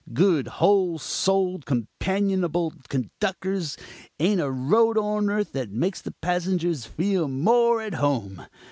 Good, whole souled, companionable conductors; ain't a road on earth that makes the passengers feel more at home.